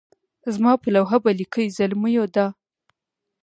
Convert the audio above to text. زما پر لوحه به لیکئ زلمیو دا.